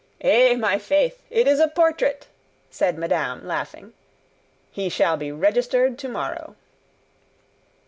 "Eh my faith. It is a portrait!" said madame, laughing. "He shall be registered to morrow."